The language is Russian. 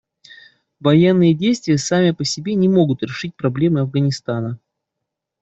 Военные действия сами по себе не могут решить проблемы Афганистана.